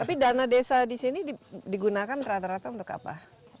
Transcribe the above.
tapi dana desa di sini digunakan rata rata untuk apa